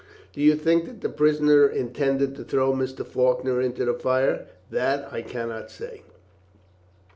"Do you think that the prisoner intended to throw Mr. Faulkner into the fire?" "That I cannot say."